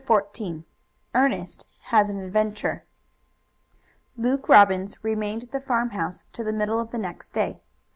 CHAPTER XIV ERNEST HAS AN ADVENTURE Luke Robbins remained at the farmhouse till the middle of the next day.